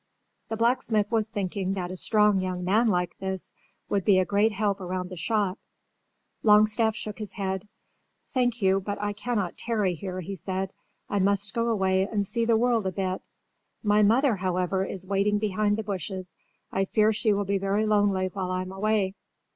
The blacksmith was thinking that a strong young man like this would be a great help around the shop. Longstaff shook his head. "Thank you, but I cannot tarry here," he said. "I must go away and see the world a bit. My mother, however, is waiting behind the bushes. I fear she will be very lonely while I am away."